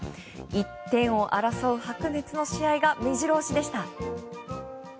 １点を争う白熱の試合が目白押しでした。